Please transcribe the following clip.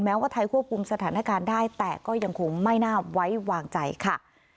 ว่าไทยควบคุมสถานการณ์ได้แต่ก็ยังคงไม่น่าไว้วางใจค่ะ